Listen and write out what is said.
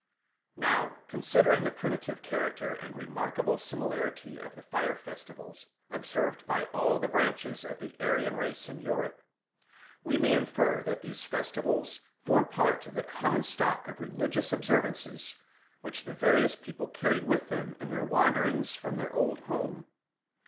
Now, considering the primitive character and remarkable similarity of the fire festivals observed by all the branches of the Aryan race in Europe, we may infer that these festivals form part of the common stock of religious observances which the various peoples carried with them in their wanderings from their old home.